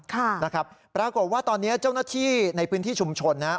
ค่ะนะครับปรากฏว่าตอนนี้เจ้าหน้าที่ในพื้นที่ชุมชนนะฮะ